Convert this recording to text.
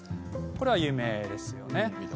これは有名ですよね。